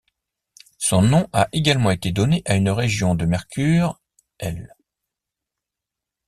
Son nom a également été donné à une région de Mercure, l'.